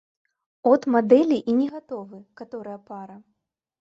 От мадэлі і не гатовы, каторая пара.